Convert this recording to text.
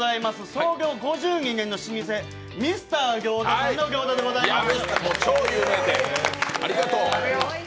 創業５２年の老舗ミスター・ギョーザさんの餃子でございます。